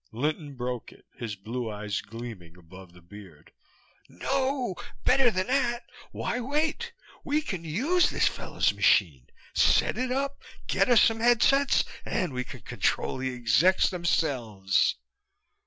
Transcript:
Linton broke it, his blue eyes gleaming above the beard. "No! Better than that. Why wait? We can use this fellow's machine. Set it up, get us some headsets and we can control the execs themselves!"